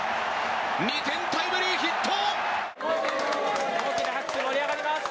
２点タイムリーヒット！